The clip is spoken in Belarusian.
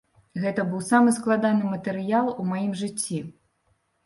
Гэта быў самы складаны матэрыял у маім жыцці.